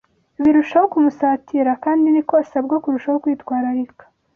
birushaho kumusatira kandi ni ko asabwa kurushaho kwitwararika